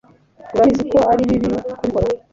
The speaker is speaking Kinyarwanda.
urabizi ko ari bibi kubikora